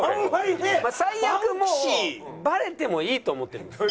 最悪もうバレてもいいと思ってるんです。